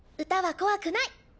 歌は怖くない！